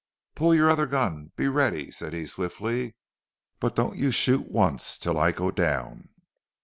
"Pull your other gun be ready," said he, swiftly. "But don't you shoot once till I go down!...